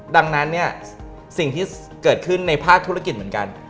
ดังนั้นเนี่ยสิ่งที่เกิดขึ้นในภาคธุรกิจเหมือนกัน